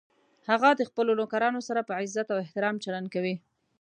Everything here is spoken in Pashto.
هغه د خپلو نوکرانو سره په عزت او احترام چلند کوي